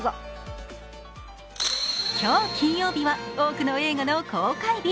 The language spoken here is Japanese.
今日、金曜日は多くの映画の公開日。